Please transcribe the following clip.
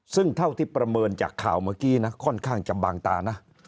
ซึ่งเท่าที่ประเมินจากข่าวเมื่อกี้นะค่อนข้างจะบางตานะ